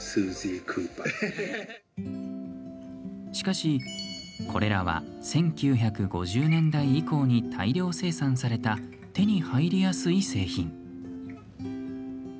しかし、これらは１９５０年代以降に大量生産された手に入りやすい製品。